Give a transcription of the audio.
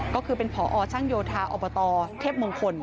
ก็คือเป็นผชยอเทพมงคล